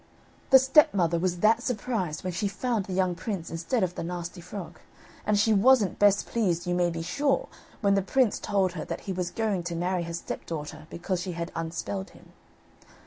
The stepmother was that surprised when she found the young prince instead of the nasty frog, and she wasn't best pleased, you may be sure, when the prince told her that he was going to marry her stepdaughter because she had unspelled him.